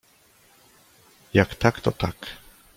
Jak tak, to tak.